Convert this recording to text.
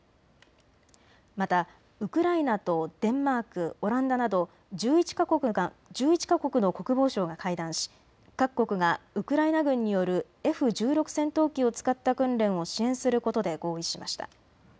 またウクライナとデンマーク、オランダなど１１か国の国防相が会談し各国がウクライナ軍によるＦ１６戦闘機を使った訓練を支援することで合意しました。